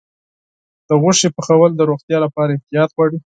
د غوښې پخول د روغتیا لپاره احتیاط غواړي.